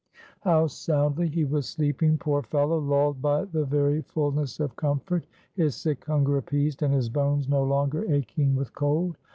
How soundly he was sleeping, poor fellow, lulled by the very fulness of comfort, his sick hunger appeased, and his bones no longer aching with cold.